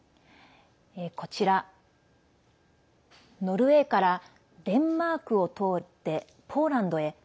こちら、ノルウェーからデンマークを通ってポーランドへ。